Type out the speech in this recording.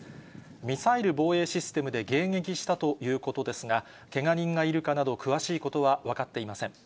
ミサイル防衛システムで迎撃したということですが、けが人がいるかなど、詳しいことは分かっていません。